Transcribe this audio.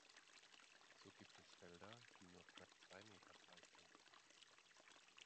So gibt es Felder, die nur knapp zwei Meter breit sind.